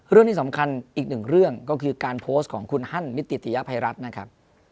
เรื่องที่สำคัญอีกหนึ่งเรื่องก็คือการโพสต์ของคุณฮั่นมิติติยภัยรัฐนะครับ